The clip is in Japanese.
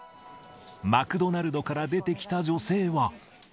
マクドナルドから出てきた女性は。